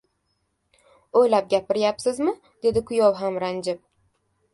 — O‘ylab gapiryapsizmi?— dedi kuyov ham ranjib.